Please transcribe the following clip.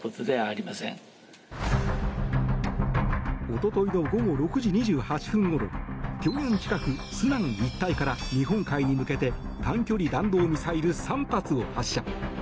一昨日の午後６時２８分ごろピョンヤン近くスナン一帯から日本海に向けて短距離弾道ミサイル３発を発射。